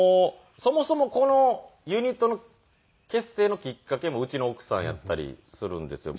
そもそもこのユニット結成のきっかけもうちの奥さんやったりするんですよ。